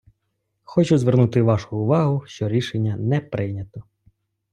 Хочу звернути вашу увагу, що рішення не прийнято.